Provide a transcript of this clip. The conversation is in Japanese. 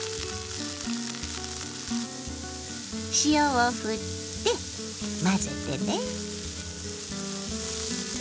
塩をふって混ぜてね。